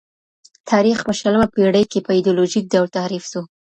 تاریخ په شلمه پېړۍ کي په ایډیالوژیک ډول تحریف سو.